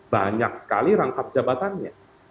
banyak sekali rangkap jabatannya